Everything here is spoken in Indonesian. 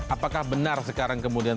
apakah benar sekarang kemudian